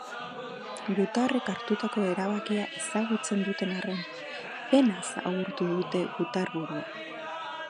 Gutarrek hartutako erabakia ezagutzen zuten arren, penaz agurtu dute gutarburua.